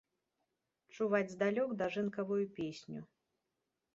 Чуваць здалёк дажынкавую песню.